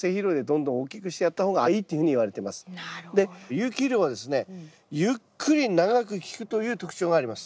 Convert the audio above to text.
有機肥料はですねゆっくり長く効くという特徴があります。